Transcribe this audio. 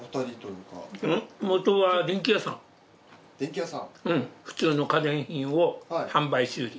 うん普通の家電品を販売修理。